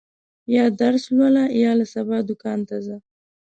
یا درس لوله، یا له سبا دوکان ته ځه.